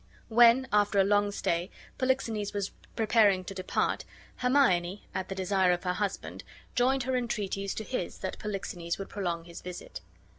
When, after a long stay, Polixenes was preparing to depart, Hermione, at the desire of her husband, joined her entreaties to his that Polixenes would prolong his visit.